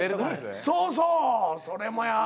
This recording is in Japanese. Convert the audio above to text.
そうそうそれもや。